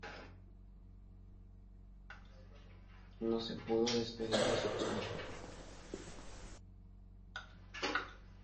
No se pudo despedir de su padre.